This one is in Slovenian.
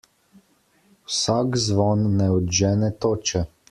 Vsak zvon ne odžene toče.